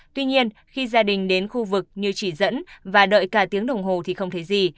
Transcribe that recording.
tuy nhiên khi gia đình đến khu vực như chỉ dẫn và đợi cả tiếng đồng hồ thì không thấy gì